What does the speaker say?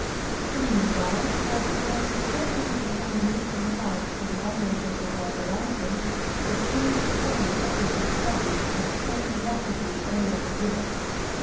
The meanwhile, whilst the lad was gradually becoming reconciled to the wonders of the world around him, the strange story of his discovery was spreading rapidly all over Europe.